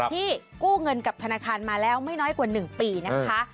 ที่กู้เงินกับธนาคารมาแล้วไม่น้อยกว่า๑ปีนะคะ